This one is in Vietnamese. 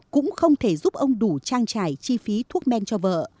cũng không thể giúp ông đủ trang trải chi phí thuốc men cho vợ